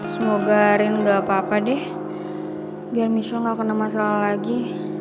semoga rin gak apa apa deh biar michelle gak kena masalah lagi